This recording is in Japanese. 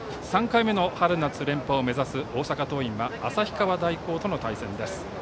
３回目の春夏連覇を目指す大阪桐蔭は旭川大高との対戦です。